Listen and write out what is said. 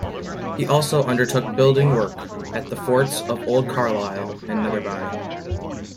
He also undertook building work at the forts of Old Carlisle and Netherby.